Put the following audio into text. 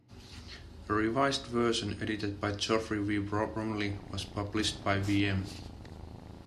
A revised version, edited by Geoffrey W. Bromiley, was published by Wm.